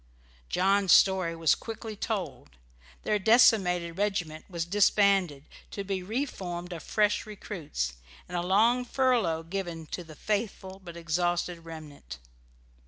John's story was quickly told. Their decimated regiment was disbanded, to be reformed of fresh recruits, and a long furlough given to the faithful but exhausted remnant.